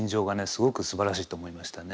すごくすばらしいと思いましたね。